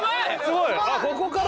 ここから？